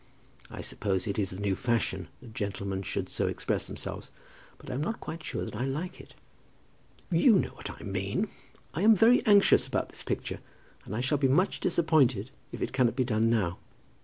I suppose it is the new fashion that gentlemen should so express themselves, but I am not quite sure that I like it." "You know what I mean. I am very anxious about this picture, and I shall be much disappointed if it cannot be done now.